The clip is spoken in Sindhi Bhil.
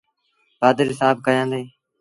پآڌريٚ سآب ڪيآندي ۔